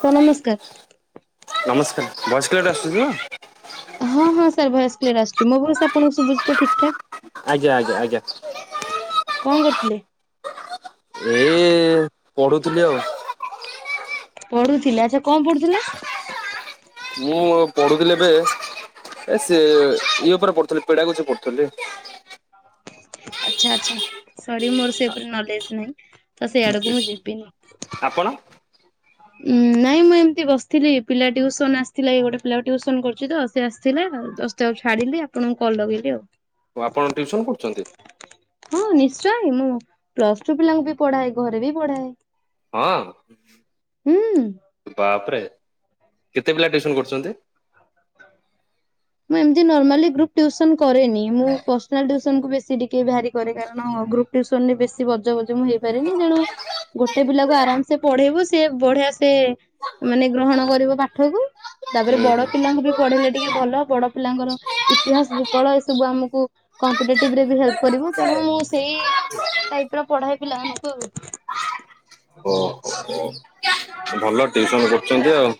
Sir ନମସ୍କାର। ନମସ୍କାର voice clear ଆସୁଛି ତ? ହଁ ହଁ ସାର୍ ଭଏସ କ୍ଲିୟର ଆସୁଛି ମୋ ଭଏସ ଆପଣଙ୍କୁ ଶୁଭୁଛି ତ ଠିକ ଠାକ୍ । ଆଜ୍ଞା ଆଜ୍ଞା ଆଜ୍ଞା କଣ କରୁଥିଲେ? ଏଇ ପଢୁଥିଲି ଆଉ। ପଢୁଥିଲେ ଆଚ୍ଛା କଣ ପଢୁଥିଲେ? ମୁଁ ପଢୁଥିଲି ଏବେ ଏ ସେ ଇଏ ଉପରେ ପଢୁଥିଲି ପେଡାଗୋଜି ପଢୁଥିଲି । ଆଚ୍ଛା ଆଚ୍ଛା ସରି ମୋର ସେ ଉପରେ ନଲେଜ ନାହିଁ ତ ସେଇ ଆଡକୁ ମୁଁ ଯିବିନି। ଆପଣ? ଉଁ ନାଇଁ ମୁଁ ଏମିତି ବସିଥିଲି ପିଲା ଟିଉସନ ଆସିଥିଲେ ଏଇ ଗୋଟେ ପିଲାକୁ ଟିଉସନ କରୁଛି ତ ସେ ଆସିଥିଲା ଜଷ୍ଟ ତାକୁ ଛାଡିଲି ଆପଣଙ୍କୁ କଲ ଲଗେଇଲି ଆଉ। ଆପଣ ଟିଉସନ କରୁଛନ୍ତି? ହଁ ନିଶ୍ଚୟ ମୁଁ ପ୍ଲସ ଟୁ ପିଲାଙ୍କୁ ବି ପଢ଼ାଏ ଘରେ ବି ପଢାଏ ହଁ ହୁଁ ତାପରେ କେତେ ପିଲା ଟିଉସନ କରୁଛନ୍ତି? ମୁଁ ଏମତି ନର୍ମାଲି ଗ୍ରୁପ ଟିଉସନ କରେନି ମୁଁ ପର୍ସନାଲ ଟିଉସନ କୁ ବେଶୀ ସେ ଟିକେ ଭ୍ୟାରି କରେ କାରଣ ଗ୍ରୁପ ଟିଉସନରେ ବେଶୀ ବଜବଜ ମୁଁ ହେଇପାରନି ତେଣୁ ଗୋଟେ ପିଲାକୁ ଆରାମ ସେ ପଢେଇବୁ ସିଏ ବଢିଆ ସେ ମାନେ ଗ୍ରହଣ କରିବ ପାଠକୁ ତାପରେ ହୁଁ ବଡ ହୁଁ। ପିଲାଙ୍କୁ ବି ପଢେଇଲେ ଟିକେ ଭଲ ପିଲାଙ୍କର ଇତିହାସ ଭୂଗୋଳ ଏସବୁ ଆମକୁ କମ୍ପିଟେଟିଭରେ ହେଲ୍ପ କରିବ ତେଣୁ ମୁଁ ସେଇ ଟାଇପର ପଢ଼ାଏ ପିଲାମାନଙ୍କୁ ଆଉ। ଓହୋ ଭଲ ଟିଉସନ କରୁଛନ୍ତି ଆଉ।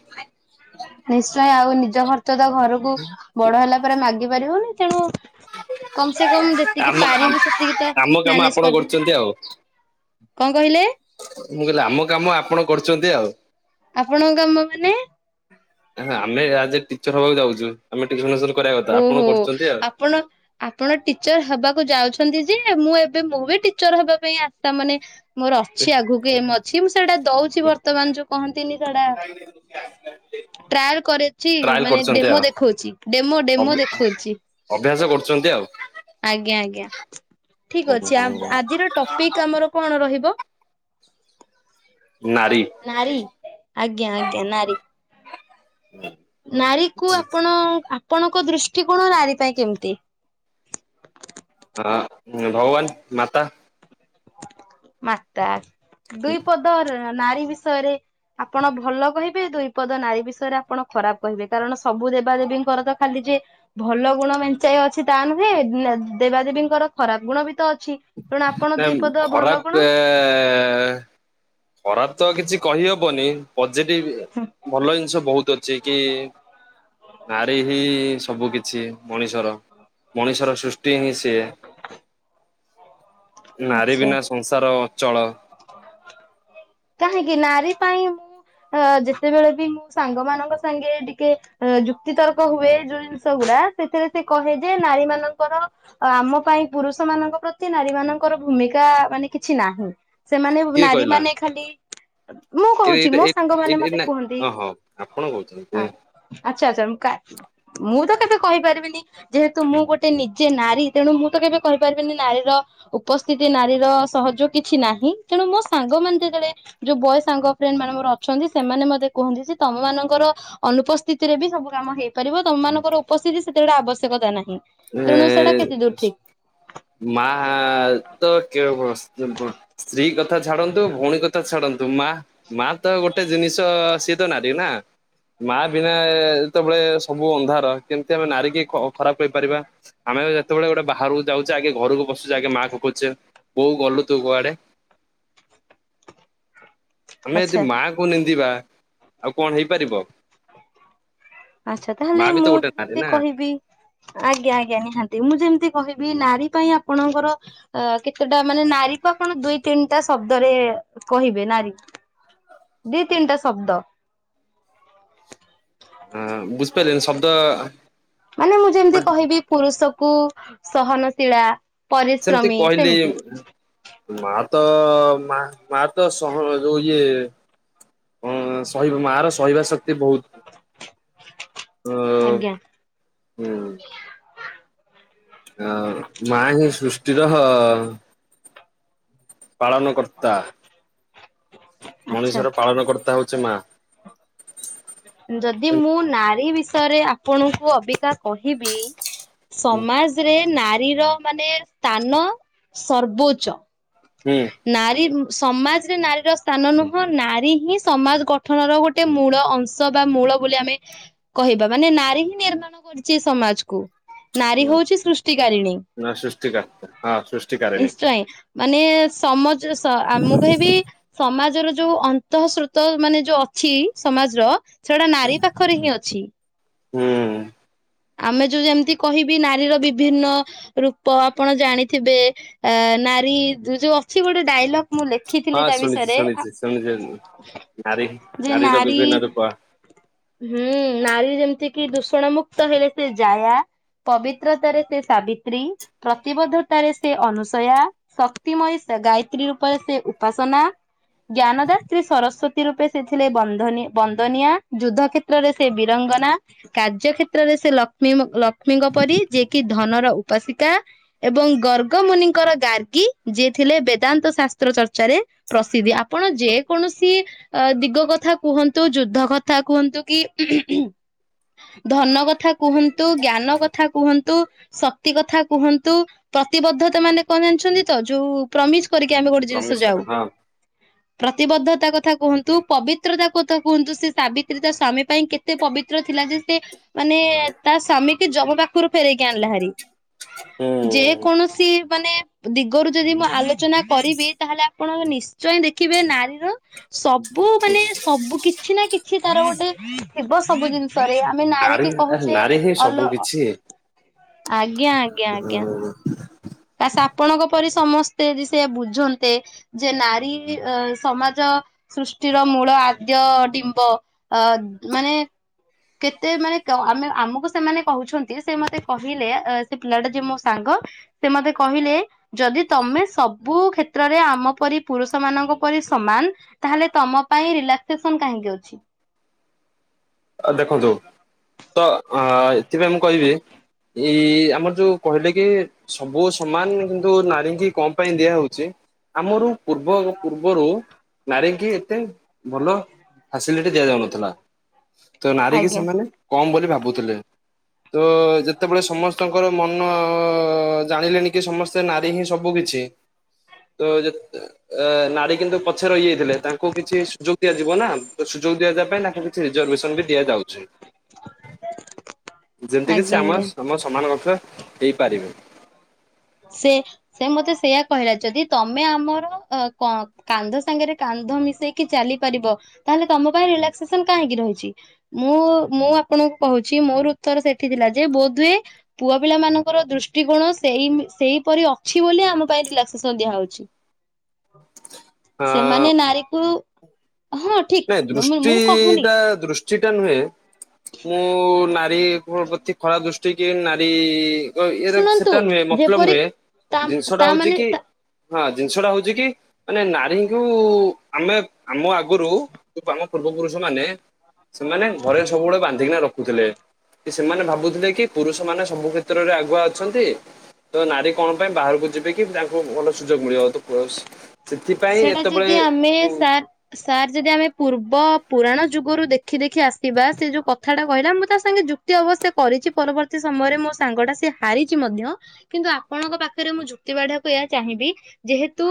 ନିଶ୍ଚୟ ଆଉ ନିଜ ଖର୍ଚ୍ଚ ତ ଘରକୁ ବଡ ହେଲା ପରେ ମାଗି ପାରିବନି ତେଣୁ କମ ସେ କମ ଯେତିକି ଆମ ପାରିବୁ ସେ ଆମ କାମ ଆପଣ କରୁଛନ୍ତି ଆଉ କଣ କହିଲେ ମୁଁ କହିଲି ଆମ କାମ ଆପଣ କରୁ ଛନ୍ତି ଆଉ। ଆପଣଙ୍କ କାମ ମାନେ ଆମେ ଆଜି ଟିଚର ହବାକୁ ଯାଉଛୁ ଆମେ ଟିଉସନ ଫିଉସନ ଓହୋ ଆପଣ ଆପଣ ଟିଚର ହବାକୁ ଯାଉଛନ୍ତି ଯେ ମୁଁ ଏବେ ମୋ ବି ଟିଚର ହବା ପାଇଁ ଆସ୍ଥା ମାନେ ମୋର ଅଛି ଆଗକୁ ଏମ୍ [unintelligible] ସେଟା ଦଉଛି ବର୍ତ୍ତମାନ ଯୋଉ କହନ୍ତିନି ସେଟା ଟ୍ରାଏଲ୍ କରିଛି ଟ୍ରାଏଲ ମାନେ କରୁଛନ୍ତି ଡେମୋ ଆଉ ଦେଖଉଛି। ଡ଼େମୋ ଅଭ ଡ଼େମୋ ଦେଖଉଛି ଅଭ୍ୟାସ କରୁଛନ୍ତି ଆଉ ଆଜ୍ଞା ଆଜ୍ଞା ଠିକ୍ ଅଛି ଆ ହୁଁ ଆଜିର ଟପିକ୍ ଆମର କଣ ରହିବ। ନାରୀ। ନାରୀ ଆଜ୍ଞା ଆଜ୍ଞା ନାରୀ। ନାରୀ କୁ ଆପଣ ଆ ଆପଣଙ୍କ ଦୃଷ୍ଟିକୋଣ ନାରୀ ପାଇଁ କେମିତି। ହଁ ଭଗବାନ୍ ମାତା। ମାତା। ଦୁଇ ପଦରେ ନାରୀ ବିଷୟରେ ଆପଣ ଭଲ କହିବେ ଦୁଇପଦ ନାରୀ ବିଷୟରେ ଆପଣ ଖରାପ୍ କହିବେ କାରଣ ସବୁ ଦେବାଦେବୀଙ୍କ ର ତ ଖାଲି ଯେ ଭଲ ଗୁଣ ମେଞ୍ଚାଏ ଅଛି ତା ନୁହେଁ ଦେବାଦେବୀଙ୍କର ଖରାପ୍ ଗୁଣ ବି ତ ଅ ତେଣୁ ଆପଣ ଦୁଇ ଖରାପ୍ ଏ । ଖରାପ୍ ତ କିଛି କହିହବନି। [unintelligible] ଭଲ ଜିନିଷ ବହୁତ୍ ଅଛି କି ନାରୀ ହିଁ ସବୁ କିିଛି ମଣିଷର ମଣିଷର ସୃଷ୍ଟ୍ ସୃଷ୍ଟି ହିଁ ସିଏ। ନାରୀ ଆଚ୍ଛା। ବିନା ସଂସାର ଅଚଳ। କାହିଁକି ନାରୀ ପାଇଁ ଯେତେବେଳେ ବି ମୁଁ ସାଙ୍ଗ ମାନଙ୍କ ସାଙ୍ଗେ ଟିକେ ଯୁକ୍ତି ତର୍କ ହୁଏ ଯୋଉ ଜିନିଷ ଗୁଡ଼ା ସେଥିରେ ସେ କହେ ଯେ ନାରୀ ମାନଙ୍କର ଆମ ପାଇଁ ପୁରୁଷ ମାନଙ୍କ ପ୍ରତି ନାରୀ ମାନଙ୍କର ଭୂମିକା ମାନେ କିଛି ନାହିଁ। ସେମାନେ କିଏ ନାରୀ କହିଲା? ମାନେ- ଖାଲି ମୁଁ ଏ କହୁଛି ଏଇଟା ମୋ ସାଙ୍ଗ ଏ ମାନେ ଏ ମତେ ନା କୁହନ୍ତି ଓହୋ ଆପଣ କହୁଛନ୍ତି। ଆଚ୍ଛା ଆଚ୍ଛା ମୁଁ ତ କେବେ କହିପାରିବିନି ଯେହେତୁ ମୁଁ ଗୋଟେ ନିଜେ ନାରୀ ତେଣୁ ମୁଁ ତ କେବେ କହିପାରିବିନି ନାରୀର ଉପସ୍ଥିତି ନାରୀର ସହଯୋଗ କିଛି ନାହିଁ ତେଣୁ ମୋ ସାଙ୍ଗମାନେ ଯେ ଯେତେଳେ ଯୋଉ ବୟେ ସାଙ୍ଗ ଫ୍ରେଣ୍ଡ୍ ମାନେ ମୋର ଅଛନ୍ତି ସେମାନେ ମତେ କୁହନ୍ତି ଯେ ତମ ମାନଙ୍କର ଅନୁପସ୍ଥିତିରେ ବି ସବୁ କାମ ହେଇପାରିବ ତମ ମାନଙ୍କର ଉପସ୍ଥିତି ସେତେବେଳେ ଆବଶ୍ୟକତା ନାହିଁ। ଏ ତେଣୁ ସେଇଟା କେତେ ଦୂର ଠିକ ମା ତ କେ ସ୍ତ୍ରୀ କଥା। ସ୍ତ୍ରୀ କଥା ଛାଡନ୍ତୁ ଭଉଣୀ କଥା ଛାଡ଼ନ୍ତୁ ମା ମା ତ ଗୋଟେ ଜିନିଷ ସିଏ ତ ନାରୀ ନା ମା ବିନା ଯେତେବେଳେ ସବୁ ଅନ୍ଧାର କେମତି ଆମେ ନାରୀ କି ଖରାପ୍ କହିପାରିବା ଆମେ ଯେତେବେଳେ ଗୋଟେ ବାହାରକୁ ଯାଉଛେ ଆଗେ ଘରକୁ ପସୁଛେ ଆଗେ ମା କୁ ଖୋଜୁଛେ ବୋଉ ଗଲୁ ତୁ କୁଆଡ଼େ - ଆମେ ଯଦି ଆଚ୍ଛା। ମା କୁ ନିନ୍ଦିବା ଆଉ କଣ ହେଇପାରିବ। ଆଚ୍ଛା ମା ତାହେଲେ ବି ତ ମୁଁ ଗୋଟେ ନାରୀ ଯେମିତି ନା କହିବି ଆଜ୍ଞା ଆଜ୍ଞା ନିହାତି ମୁଁ ଯେମିତି କହିବି ନାରୀ ପାଇଁ ଆପଣଙ୍କର କେତେଟା ମାନେ ନାରୀକୁ ଆପଣ ଦୁଇ ତିନିଟା ଶବ୍ଦରେ କହିବେ ନାରୀ ଦି ତିନିଟା ଶବ୍ଦ ହୁଁ ବୁଝିପାରିଲିନି ଶବ୍ଦ ମାନେ ମୁଁ ଯେମିତି କହିବି ପୁରୁଷ କୁ ସହନ- ଶୀଳା। ସେମିତି ପରିଶ୍ରମୀ କହିଲି ସେମିତି ମା ତ ମା ମା ତ ସବୁ ଯୋଉ ଇଏ ସହିବ ମା ର ସହିବା ଶକ୍ତି ବହୁତ ଅ ଆଜ୍ଞା ହୁଁ ହ ମା ହିଁ ସୃଷ୍ଟିର ହ ପାଳନ କର୍ତ୍ତା। ଆଚ୍ଛା ମଣିଷର ପାଳନ କର୍ତ୍ତା ହଉଛି ମା। ଯଦି ମୁଁ ନାରୀ ବିସ୍ ପରେ ଆପଣଙ୍କୁ ଅବିକା କହିବି ହୁଁ ସମାଜରେ ନାରୀ ନାରୀର ମାନେ ସ୍ଥାନ ସର୍ବୋଚ୍ଚ। ହୁଁ ନାରୀ ମ ସମାଜରେ ନାରୀର ସ୍ଥାନ ନୁହଁ ନାରୀ ହିଁ ସମାଜ ଗଠନର ଗୋଟେ ମୂଳ ଅଂଶ। ଅଂଶ ବା ମୂଳ ବୋଲି ଆମେ କହିବା ମାନେ ନାରୀ ହିଁ ନିର୍ମାଣ କରୁଛି ସମାଜକୁ ନାରୀ ହଉଛି ସୃଷ୍ଟିକାରିଣୀ ନା ସୃଷ୍ଟିକା ହଁ ସୃଷ୍ଟିକାରିଣୀ ନିଶ୍ଚୟ ମାନେ ସମ ସ ମୁଁ କହିବି ସମାଜ ତୋର ଯୋଉ ଅନ୍ତଃସ୍ରୋତ ମାନେ ଯୋଉ ଅଛି ସମାଜର ସେଟା ନାରୀ ପାଖରେ ହିଁ ଅଛି। ହୁଁ ଆମେ ଯୋଉ ଯେମିତି କହିବି ନାରୀର ବିଭିନ୍ନ ରୂପ ଆପଣ ଜାଣିଥିବେ ଅ ନାରୀ ଯୋଉ ଅଛି ଗୋଟେ ଡାଇଲଗ ମୁଁ ଲେଖିଥିଲି ହଁ ତା ଶୁଣିଛି ବିଷୟରେ ଶୁଣିଛି ଶୁଣିସାରିଲି ନାରୀ ଯେ ନାରୀର ନାରୀ ବିଭିନ୍ନ ରୂପ ହୁଁ ନାରୀ ଯେମିତି କିି ଦୂଷଣ ମୁୁକ୍ତ ହେଲେ ସେ ଜାୟା ପବିତ୍ରତାରେ ସେ ସାବିତ୍ରୀ ପ୍ରତିବଦ୍ଧତାରେ ସେ ଅନୁସୟା ଶକ୍ତିମୟୀ ଗାୟତ୍ରୀ ରୂପରେ ସେ ଉପାସନା ଜ୍ଞାନଦାତ୍ରୀ ସରସ୍ଵତୀ ରୂପେ ସେ ଥିଲେ ବନ୍ଧ ବନ୍ଦନିୟା ଯୁଦ୍ଧ କ୍ଷେତ୍ରରେ ସେ ବୀରଙ୍ଗନା କାର୍ଯ୍ୟକ୍ଷେତ୍ରରେ ସେ ଲକ୍ଷ୍ମୀ ଲକ୍ଷ୍ମୀଙ୍କ ପରି ଯିଏକି ଧନର ଉପାସିକା ଏବଂ ଗର୍ଗମୁନିଙ୍କର ଗାର୍ଗୀ ଯିଏ ଥିଲେ ବେଦାନ୍ତ ଶାସ୍ତ୍ର ଚର୍ଚ୍ଚାରେ ପ୍ରସିଦ୍ଧି ଆପଣ ଯେକୌଣସି ଦିଗ କଥା କୁହନ୍ତୁ ଯୁଦ୍ଧ କଥା କଥା କୁହନ୍ତୁ କି ଧନ କଥା କୁହନ୍ତୁ ଜ୍ଞାନ କଥା କୁହନ୍ତୁ ଶକ୍ତି କଥା କୁହନ୍ତୁ ପ୍ରତିବଦ୍ଧତା ମାନେ କଣ ଜାଣିଛନ୍ତି ତ ଯୋଉ ପ୍ରମିସ୍ କରିକି ଆମେ ଗୋଟେ ଜିନିଷ ପ୍ରମିଶ କର ଯାଉ ହଁ ପ୍ରତିବଦ୍ଧତା କଥା କୁହନ୍ତୁ ପବିତ୍ରତା କଥା କୁହନ୍ତୁ ସେ ସାବିତ୍ରୀ ତା ସ୍ଵାମୀ ପାଇଁ କେତେ ପବିତ୍ର ଥିଲା ଯେ ସେ ମାନେ ତା ସ୍ଵାମୀ କି ଯମ ପାଖରୁ ଫେରାଇକି ଆଣିଲା ହାରିି ହୁଁ ଯେ କୌଣସି ମାନେ ଦିଗରୁ ଯଦି ମୁଁ ଆଲୋଚନା କରିବି ତାହେଲେ ଆପଣ ନିଶ୍ଚୟ ଦେଖିବେ ନାରୀର ସବୁ ମାନେ ସବୁ କିଛି ନା କିଛି କିଛି ତାର ଗୋଟେ ଥିବ ସବୁ ଜିନିଷରେ ଆମେ ନାରୀ କି କହୁଛେ ନାରୀ ହିଁ ସବୁ ଅଲ କିଛି ଆଜ୍ଞା ଆଜ୍ଞା ଆଜ୍ଞା ସେ ଆପଣଙ୍କ ପରି ସମସ୍ତେ ଯଦି ସେୟା ବୁଝନ୍ତେ ଯେ ନାରୀ ଅ ସମାଜ ସୃଷ୍ଟିର ମୂଳ ଆଦ୍ୟ ଡିମ୍ବ ଅ ମାନେ କେତେ ମାନେ ଆମେ ଆମକୁ ସେମାନେ କହୁଛନ୍ତି ସେ ମତେ କହିଲେ ସେ ପିଲାଟା ଯେ ମୋ ସାଙ୍ଗ ସେ ମତେ କହିଲେ ଯଦି ତମେ ସବୁ କ୍ଷେତ୍ରରେ ଆମ ପରି ପୁରୁଷ ମାନଙ୍କ ପରି ସମାନ ତାହେଲେ ତମ ପାଇଁ ରିଲାକ୍ସେସନ କାହିଁକି ଅଛି? ଦେଖନ୍ତୁ ତ ଅ ଏଥିପାଇଁ ମୁଁ କହିବି ଏଇ ଆମର ଯୋଉ କହିଲେ କି ସବୁ ସମାନ କିନ୍ତୁ ନାରୀଙ୍କ କଣ ପାଇଁ ଦିଆ ହଉଛି ଆମର ପୂର୍ବ ପୂର୍ବରୁ ନାରୀଙ୍କି ଏତେ ଭଲ ଫାସିଲିଟି ଦିଆ ଯାଉନଥିଲା। ତ ନାରୀ କି ଆଜ୍ଞା ସେମାନେ କମ ବୋଲି ଭାବ ଭାବୁଥିଲେ ତ ଯେତେବେଳେ ସମସ୍ତଙ୍କର ମନ ଜାଣିଲେଣି କି ସମସ୍ତେ ନାରୀ ହିଁ ସବୁ କିଛି ତ ଯେତେ ନାରୀ କିନ୍ତୁ ପଛରେ ରହିଯାଇଥିଲେ ତାଙ୍କୁ କିଛି ସୁଯୋଗ ଦିଆଯିବ ନା ସୁଯୋଗ ଦିଆଯିବା ପାଇଁ ତାଙ୍କୁ କିଛି ରିଜର୍ଭସନ୍ ବି ଦିଆଯାଉଛି ଯେମିତିକି ସେ ଆଜ୍ଞା ଆମ ଆଜ୍ଞା। ତମ ସମାନ କକ୍ଷ ହେଇପାରିବେ। ସେ ସେ ମତେ ସେଇୟା କହିଲା ଯଦି ତମେ ଆମର କାନ୍ଧ ସାଙ୍ଗରେ କାନ୍ଧ ମିଶେଇକି ଚାଲି ପାରିବ ତାହେଲେ ତମ ପାଇଁ ରିଲାକ୍ସେସନ କାହିଁକି ରହିଛି ମୁଁ ମୁଁ ଆପଣଙ୍କୁ କହୁଛି ମୋର ଉତ୍ତର ସେଠି ଥିଲା ଯେ ବୋଧହୁଏ ପୁଅ ପିଲା ମାନଙ୍କର ଦୃଷ୍ଟିକୋଣ ସେଇ ସେଇପରି ଅଛି ବୋଲି ଆମ ପାଇଁ ରିଲାକ୍ସେସନ ଦିଆ ହଉଛି। ଅ ସେମାନେ ନାରୀ କୁ ନାଇଁ ଦୃଷ୍ଟି କହୁନି ଟା ଦୃଷ୍ଟି ଟା ନୁହେଁ ମୁଁ ନା ନାରୀ ଉପରେ କିଏ ଖରାପ ଦୃଷ୍ଟି କିଏ ନାରୀ ଇଏ ଦେଖ ଶୁଣନ୍ତୁ ସେଟା ନୁହେଁ ମତଲବ ଯେପରି ନୁହେଁ ତା ଜିନିଷଟା ତା ହଉଛି ମାନେ କି? ତା ହଁ ଜିନିଷ ଟା ହଉଛି କି ମାନେ ନାରୀଙ୍କୁ ଆମେ ଆମ ଆଗରୁ ଆମ ପୂର୍ବ ପୁରୁଷ ମାନେ ସେମାନେ ଘରେ ସବୁବେଳେ ବାନ୍ଧିକିନା ରଖୁଥିଲେ କି ସେମାନେ ଭାବୁଥିଲେ କି ପୁରୁଷ ସେମାନେ ସବୁ କ୍ଷେତ୍ରରେ ଆଗୁଆ ଅଛନ୍ତି ତ ନାରୀ କଣ ପାଇଁ ବାହାରକୁ ଯିବେ କି ତାଙ୍କୁ ଭଲ ସୁଯୋଗ ମିଳିବ। ସେଥିପାଇଁ ସେଟା ଏତେବେଳେ ଯଦି ଆମେ ସାର୍ ସାର୍ ଯଦି ଆମେ ପୂର୍ବ ପୁରାଣ ଯୁଗରୁ ଦେଖି ଦେଖି ଆସିବା ସେ ଯୋଉ କଥାଟା କହିଲା ମୁଁ ତା ସାଙ୍ଗେ ଯୁକ୍ତି ଅବଶ୍ୟ କରିଛି ପରବର୍ତ୍ତୀ ସମୟରେ ମୋ ସାଙ୍ଗ ଟା ସେ ହାରିଛି ମଧ୍ୟ କିନ୍ତୁ ଆପଣଙ୍କ ପାଖରେ ମୁଁ ଯୁକ୍ତି ବାଢିବାକୁ ଏହା ଚାହିଁବି ଯେହେତୁ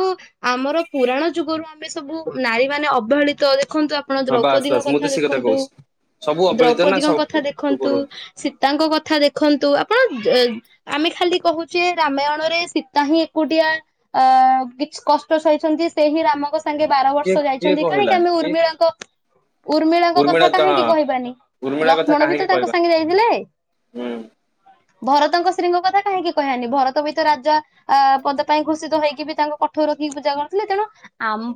ଆମର ପୁରାଣ ଯୁଗରୁ ଆମେ ସବୁ ନାରୀ ମାନେ ଅବହେଳିତ ଦେଖନ୍ତୁ ଆପଣ ହଁ ବାସ୍ ଦ୍ରୌପଦୀଙ୍କ ବାସ୍ ମୁଁ ତ କଥା ସେ ଦେଖନ୍ତୁ କହୁଛି। ସବୁ ଅବହେଳିତ ନା ଦ୍ରୌପଦୀଙ୍କ ସବୁ କଥା ଦେଖନ୍ତୁ ପୂର୍ବରୁ ସୀତାଙ୍କ କଥା ଦେଖନ୍ତୁ ଆପଣ ଆମେ ଖାଲି କହୁଛେ ରାମାୟଣରେ ସୀତା ହିଁ ଏକୁଟିଆ ଅ କିଛି କଷ୍ଟ ସହି ଅଛନ୍ତି ସେହିି ରାମଙ୍କ ସାଙ୍ଗେ ବାର ବର୍ଷ କିଏ କିଏ ଯାଇଛନ୍ତି କହିଲା କାହିଁକି ଆମେ କିଏ ଉର୍ମିଳାଙ୍କ ଉର୍ମିଳାଙ୍କ କଥା ଉର୍ମିଳା ତ ହଁ କାହିଁକି କହିବାନି ଉର୍ମିଳା କଥା ଲକ୍ଷ୍ମଣ ବି ତ କାହିଁକି ତାଙ୍କ କହିବା ସାଙ୍ଗେ ଯାଇଥିଲେ ହୁଁ। ଭରତଙ୍କ ସ୍ତ୍ରୀଙ୍କ କଥା କାହିଁକି କହିବାନି ଭରତ ବି ତ ରାଜା ପଦ ପାଇଁ ଘୋଷିତ ହେଇକି ବି ତାଙ୍କ କଠଉ ରଖିକି ପୂଜା କରୁଥିଲେ ତେଣୁ ଆମ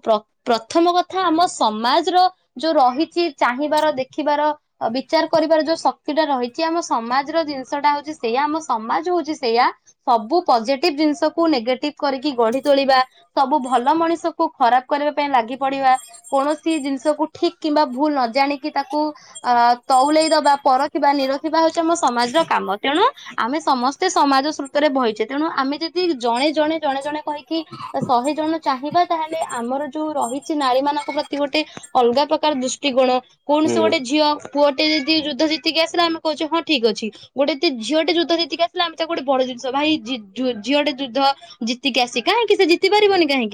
ପ୍ରଥମ କଥା ଆମ ସମାଜର ଯୋଉ ରହିଛି ଚାହିଁବାର ଦେଖିବାର ବିଚାର କରିବାର ଯୋଉ ଶକ୍ତିଟା ରହିଛି ଆମ ସମାଜର ଜିନିଷ ଟା ହଉଛି ସେଇୟା ଆମ ସମାଜ ହଉଛି ସେଇୟା ସବୁ ପଜିଟିଭ ଜିନିଷକୁ ନେଗେଟିଭ କରିକି ଗଢି ତୋଳିବା ସବୁ ଭ ଭଲ ମଣିଷକୁ ଖରାପ କରିବା ପାଇଁ ଲାଗି ପଡିବା କୌଣସି ଜିନିଷକୁ ଠିକ କିମ୍ବା ଭୁଲ ନ ଜାଣିକି ତାକୁ ଅ ତଉଲେଇ ଦବା ପରଖିବା ନିରଖିବା ହଉଛି ଆମ ସମାଜର କାମ ତେଣୁ ଆମେ ସମସ୍ତେ ସମାଜ ସ୍ରୋତରେ ବହିଛେ ତେଣୁ ଆମେ ଯଦି ଜଣେ ଜଣେ ଜଣେ ଜଣେ କହିକି ଶହେ ଜଣ। ଚାହିଁବା ତାହେଲେ ଆମର ଯୋଉ ରହିଛି ନାରୀ ମାନଙ୍କ ପ୍ରତି ଗୋଟେ ଅଲଗା ପ୍ରକାର ଦୃଷ୍ଟିକୋଣ ହୁଁ କୌଣସି ଗୋଟେ ଝିଅ ପୁଅଟେ ଯଦି ଯୁଦ୍ଧ ଜିତିକି ଆସିଲେ ଆମେ କହୁଛେ ହଁ ଠିକ୍ ଅଛି ଗୋଟେ ଝିଅ ଟେ ଯୁଦ୍ଧ ଜିତିକି ଆସିଲା ଆମେ ତାକୁ ଗୋଟେ ବଡ ଜିନିଷ ଭାଇ ଝିଅଟେ ଯୁଦ୍ଧ ଜିତିକି ଆସି କାହିଁକି ସେ ଜିତି ପାରିବନି କାହିଁକି।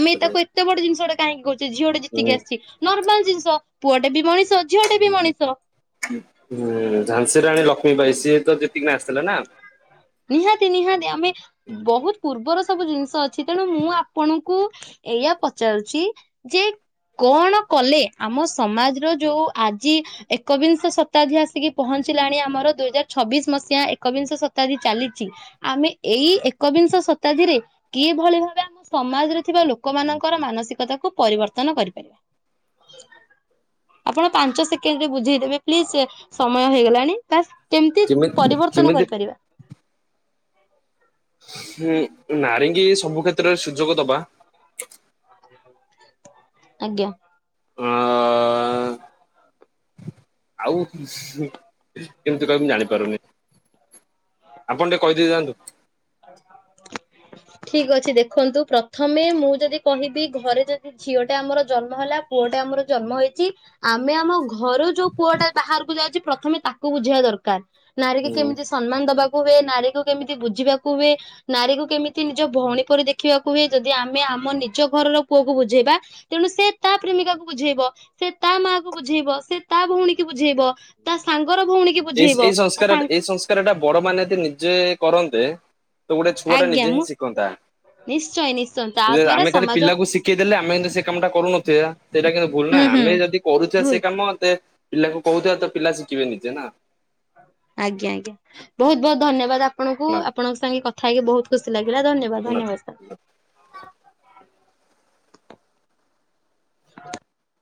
ଆମେ ତାକୁ ଏତେ ବଡ ଜିନିଷ ଟେ କାହିଁକି କହୁଛେ ଝିଅଟେ ହୁଁ ଜିତିକି ଆସିଛି ନର୍ମାଲ ଜିନିଷ ପୁଅଟେ ବି ମଣିଷ ଝିଅଟେ ବି ମଣିଷ। ହୁ ଝାନ୍ସୀ ରାଣୀ ଲକ୍ଷ୍ମୀ ବାଇ ସିଏ ତ ଜିତିକି ନା ଆସ ଥିଲେ ନା ନିହାତି ନିହାତି ଆମେ ବହୁତ ପୂର୍ବରୁ ସବୁ ଜିନିଷ ଅଛି ତେଣୁ ମୁଁ ଆପଣଙ୍କୁ ଏଇଆ ପଚାରୁଛି ଯେ କଣ କଲେ ଆମ ସମାଜର ଯୋଉ ଆଜି ଏକବିଂଶ ଶତାବ୍ଦୀ ଆସିକି ପହଞ୍ଚିଲାଣି ଆମର ଦୁଇ ହଜାର ଛବିଶ ମସିହା ଏକବିଂଶ ଶତାବ୍ଦୀ ଶତାବ୍ଦୀ ଚାଲିଛି ଆମେ ଏଇ ଏକବିଂଶ ଶତାବ୍ଦୀରେ କିଭଳି ଭାବେ ଆମ ସମାଜରେ ଥିବା ଲୋକମାନନଙ୍କର ମାନସିକତାକୁୁ ପରିବର୍ତ୍ତନ କରିପାରିବା ଆପଣ ପାଞ୍ଚ ସେକେଣ୍ଡରେ ବୁଝେଇଦେବେ ପ୍ଲିଜ ସମୟ ହେଇଗଲାଣି ବାସ୍ କେମିତି ପରିବର୍ତ୍ତନ କରିପାରିବା [inaudible] ହୁଁ ନାରୀ ଙ୍କି ସବୁ କ୍ଷେତ୍ରରେ ସୁଯୋଗ ଦବା ଆଜ୍ଞା ହଁ ଅ ଆଉ କେମିତି କହିବି ମୁଁ ଜାଣିପାରୁନି ଆପଣ ଟିକେ କହିଦେଇଯାଆନ୍ତୁ ଠିକ ଅଛି ଦେଖନ୍ତୁ ପ୍ରଥମେ ମୁଁ ଯଦି କହିବି ଘରେ ଯଦି ଝିଅ ଟା ଆମର ଜନ୍ମ ହେଲା ପୁଅଟା ଆମର ଜନ୍ମ ହେଇଛି ଆମେ ଆମ ଘରୁ ଯୋଉ ପୁଅ ଟା ବାହାରକୁ ଯାଉଛି ପ୍ରଥମେ ତାକୁ ବୁଝେଇବା ଦରକାର ନାରୀ କି ହୁଁ କେମିତି ସମ୍ମାନ ଦବାକୁ ମୁଁ ବି ଏ ନାରୀକୁ କେମିତି ବୁଝିବାକୁ ମୁଁ ବି ନାରୀକୁ କେମିତି ନିଜ ଭଉଣୀ ପରି ଦେଖିବାକୁ ହୁଏ ଯଦି ଆମେ ଆମ ନିଜ ଘରର ପୁଅକୁ ବୁଝେଇବା ତେଣୁ ସେ ତା ପ୍ରେମିକାକୁ ବୁଝେଇବ ସେ ତା ମା କୁ ବୁଝେଇବ ସେ ତା ଭଉଣୀକୁ ବୁଝେଇବ ତା ସାଙ୍ଗର ଭଉଣୀ କି ଏଇ ବୁଝେଇବ ଏଇ ତା ସଂସ୍କାର ଟା ସାଙ୍ଗ ଏଇ ସଂସ୍କାର ଟା ବଡ ମାନେ ଏତେ ନିଜେ କରନ୍ତେ ତ ଗୋଟେ ଛୁଆ ଟା ଆଜ୍ଞା ନିଜେ ହିଁ ମୁଁ ଶିଖନ୍ତା ନିଶ୍ଚୟ ନିଶ୍ଚୟ ତା । ଦ୍ଵାରା ଆମେ ଖାଲି ସମାଜ ପିଲାକୁ ଶିଖେଇ ଦେଲେ ଆମେ କିନ୍ତୁ ସେ କାମ ଟା କରୁନଥିବା ସେଇଟା କିନ୍ତୁ ଭୁଲ ହୁଁ ନାହିଁ ହୁଁ ଆମେ ଯଦି କରୁଥିବା ଭୁଲ ସେ କାମ ପିଲା କଣ କହୁଥିବା ତ ପିଲା ଶିଖିବେ ନିଜେ ନା ଆଜ୍ଞା ଆଜ୍ଞା ବହୁତ ବହୁତ ଧନ୍ୟବାଦ ଆପଣଙ୍କୁ ଆପଣଙ୍କ ସାଙ୍ଗେ କଥା କଥା ହେଇକି ବହୁତ ଖୁସି ଲାଗିଲା ଧନ୍ୟବାଦ ନା ଧନ୍ୟବାଦ ସାର୍। [inaudible]